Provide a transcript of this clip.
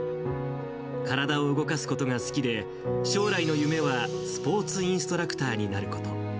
体を動かすことが好きで、将来の夢はスポーツインストラクターになること。